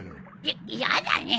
ややだね。